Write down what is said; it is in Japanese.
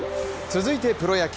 続いてプロ野球。